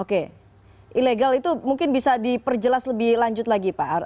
oke ilegal itu mungkin bisa diperjelas lebih lanjut lagi pak